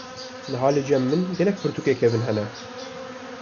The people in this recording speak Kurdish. niha jî cem min gelek pirtukên kevn hene.